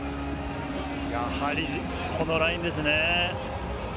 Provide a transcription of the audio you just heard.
やはりこのラインですね。